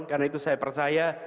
karena itu saya percaya